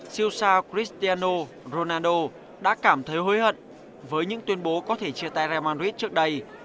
siêu sa christiano ronaldo đã cảm thấy hối hận với những tuyên bố có thể chia tay real madrid trước đây